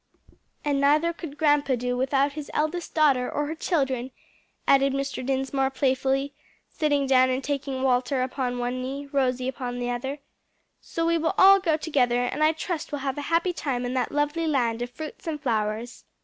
"And neither could grandpa do without his eldest daughter, or her children," added Mr. Dinsmore playfully, sitting down and taking Walter upon one knee, Rosie upon the other. "So we will all go together, and I trust will have a happy time in that lovely land of fruits and flowers."